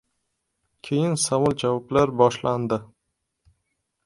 Keyin savol-javoblar boshlandi.